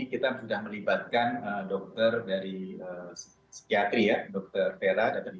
kita sudah melibatkan dokter dari psikiatri ya dokter tera